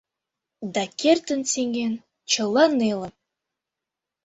Да кертын сеҥен чыла нелым.